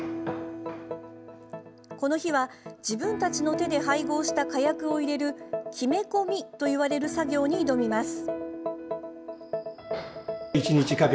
この日は自分たちの手で配合した火薬を入れるきめ込みといわれる作業に挑みます。